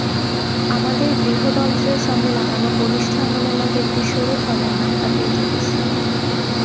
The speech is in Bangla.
আমাদের বৃহদন্ত্রের সঙ্গে লাগানো কনিষ্ঠ আঙুলের মতো একটি সরু থলের নাম অ্যাপেনডিক্স।